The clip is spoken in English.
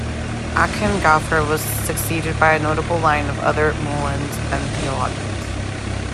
Akhund Ghaffur was succeeded by a notable line of other "mullahs" and theologians.